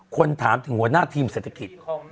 คนถามถึงหัวหน้าทีมเศรษฐกิจ